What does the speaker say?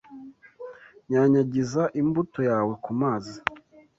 Nyanyagiza imbuto yawe ku mazi